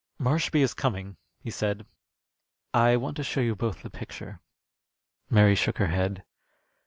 "Marshby is coming," he said. "I want to show you both the picture." Mary shook her head.